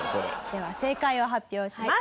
では正解を発表します。